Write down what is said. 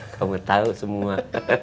kamu tahu semua